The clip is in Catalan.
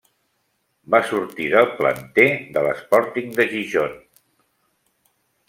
Va sorgir del planter de l'Sporting de Gijón.